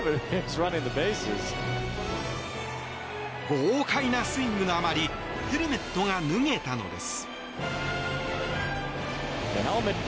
豪快なスイングの余りヘルメットが脱げたのです。